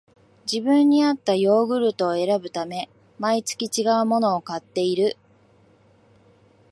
自分にあったヨーグルトを選ぶため、毎月ちがうものを買っている